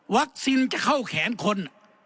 วัคซีนจะเข้าแขนคน